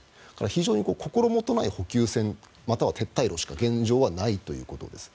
非常に心もとない補給線または撤退路しか現状はないということです。